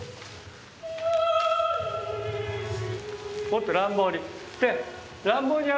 もっと乱暴に。